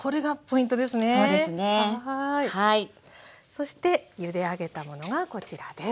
そしてゆで上げたものがこちらです。